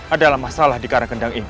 adalah masalah di karang kendang ini